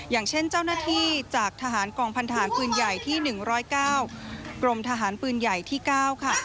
อย่างเช่นเจ้าหน้าที่จากทหารกองพันธารปืนใหญ่ที่๑๐๙กรมทหารปืนใหญ่ที่๙ค่ะ